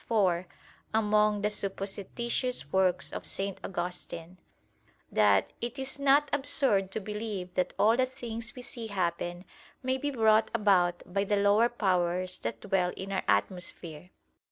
4: among the supposititious works of St. Augustine] that "it is not absurd to believe that all the things we see happen may be brought about by the lower powers that dwell in our atmosphere."